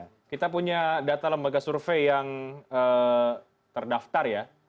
oke kita punya data lembaga survei yang terdaftar ya